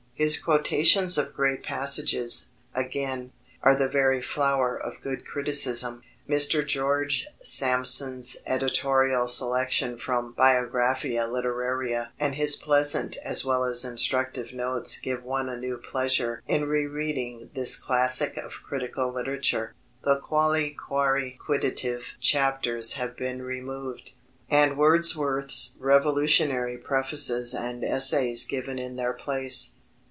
His quotations of great passages, again, are the very flower of good criticism. Mr. George Sampson's editorial selection from Biographia Literaria and his pleasant as well as instructive notes give one a new pleasure in re reading this classic of critical literature. The "quale quare quidditive" chapters have been removed, and Wordsworth's revolutionary prefaces and essays given in their place.